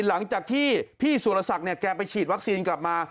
หลังจากที่พี่สุรศักดิ์เนี่ยแกไปฉีดวัคซีนกลับมา